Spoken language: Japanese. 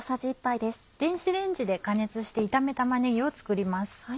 電子レンジで加熱して炒め玉ねぎを作ります。